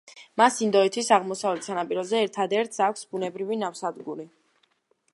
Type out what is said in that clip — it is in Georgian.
მას ინდოეთის აღმოსავლეთ სანაპიროზე ერთადერთს აქვს ბუნებრივი ნავსადგური.